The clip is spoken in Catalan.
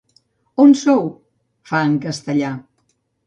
On sou? —fa en castellà—.